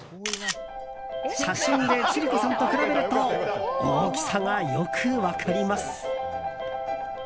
写真で千里子さんと比べると大きさがよく分かります。